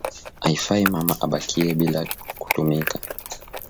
Aifai mama abakiye bila ku tumika